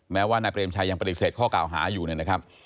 แม้ว่านายเปรมชัยยังปฏิเสธข้อกล่าวหาอยู่นะครับ